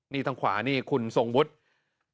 นี่ทางขวานี่คุณทรงวุฒิ